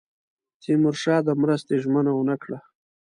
تیمورشاه د مرستې ژمنه ونه کړه.